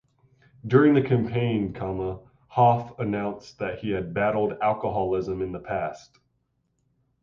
During the campaign, Hoff announced that he had battled alcoholism in the past.